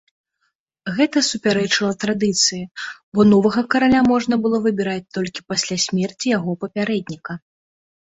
Гэта супярэчыла традыцыі, бо новага караля можна было выбіраць толькі пасля смерці яго папярэдніка.